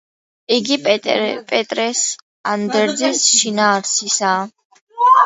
იგი პეტრეს ანდერძის შინაარსისაა.